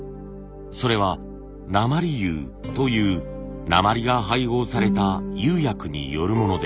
それは「鉛釉」という鉛が配合された釉薬によるものでした。